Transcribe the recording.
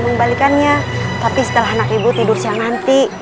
mengembalikannya tapi setelah anak ibu tidur siang nanti